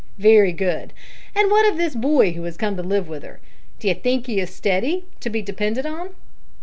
"Very good. And what of this boy who has come to live with her? D'you think he is steady to be depended on?"